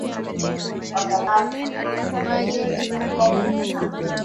kwa sababu amewafungia chelsea mabao mengi sana